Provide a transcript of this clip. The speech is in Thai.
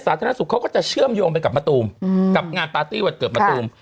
สาธารณสุขเขาก็จะเชื่อมโยงไปกับมะตูมกับงานปาร์ตี้วันเกิดมะตูม